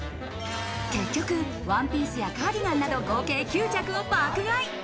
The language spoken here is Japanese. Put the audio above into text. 結局、ワンピースやカーディガンなど合計９着を爆買い。